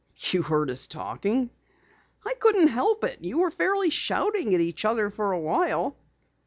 "You heard us talking?" "I couldn't help it. You were fairly shouting at each other for awhile."